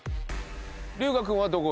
龍我君はどこ？